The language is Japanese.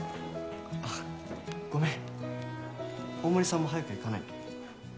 あごめん大森さんも早く行かないと